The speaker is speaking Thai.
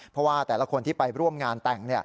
เพราะว่าแต่ละคนที่ไปร่วมงานแต่ง